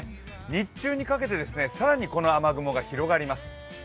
日中にかけて更にこの雨雲が広がります。